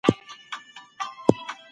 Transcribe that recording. زمری پرون ډېر غوسه وو.